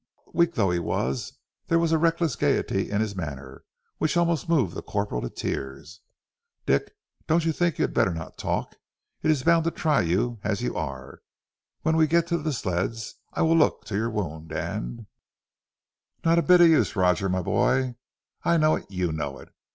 Weak though he was, there was a reckless gaiety in his manner, which almost moved the corporal to tears. "Dick, don't you think you had better not talk? It's bound to try you, as you are. When we get to the sleds I will look to your wound, and " "Not a bit of use, Roger, my boy! I know it, you know it!